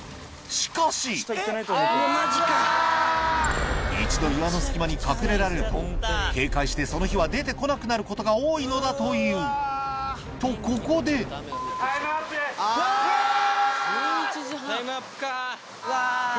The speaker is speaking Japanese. しかし一度岩の隙間に隠れられると警戒してその日は出てこなくなることが多いのだというとここでタイムアップか。